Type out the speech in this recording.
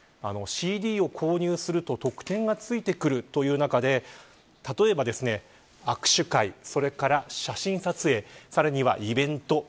ＣＤを購入すると特典がついてくるという中で、例えば握手会、それから写真撮影さらにはイベント。